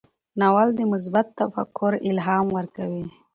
ناول د مثبت تفکر الهام ورکوي.